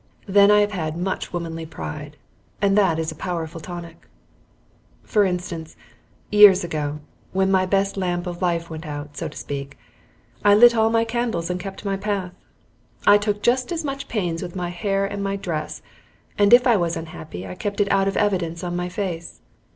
Then I have had much womanly pride, and that is a powerful tonic. For instance, years ago, when my best lamp of life went out, so to speak, I lit all my candles and kept my path. I took just as much pains with my hair and my dress, and if I was unhappy I kept it out of evidence on my face.